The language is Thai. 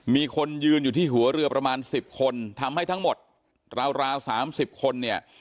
มีคนยืนอยู่ที่หัวเรือประมาณ๑๐คนทำให้ทั้งหมดราว๓๐คนเนี่ย